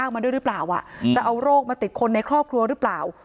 มาด้วยหรือเปล่าจะเอาโรคมาติดคนในครอบครัวหรือเปล่า